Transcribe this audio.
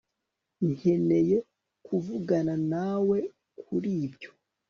nkeneye kuvugana nawe kuri ibyo